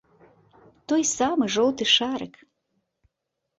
Той самы жоўты шарык!